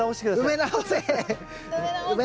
埋め直せ！